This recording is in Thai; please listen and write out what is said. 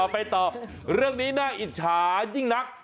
ไปต่อเรื่องนี้น่าอิจฉายิ่งนัก